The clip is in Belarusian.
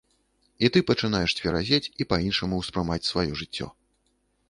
І ты пачынаеш цверазець і па-іншаму ўспрымаць сваё жыццё.